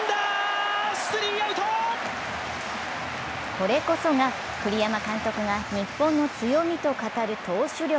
これこそが栗山監督が日本の強みと語る投手力。